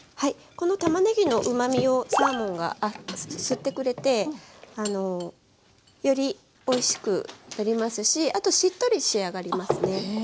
このたまねぎのうまみをサーモンが吸ってくれてよりおいしくなりますしあとしっとり仕上がりますね。